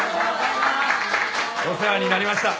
お世話になりました。